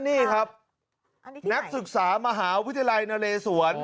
นี่ครับนักศึกษามหาวิทยาลัยนเลสวน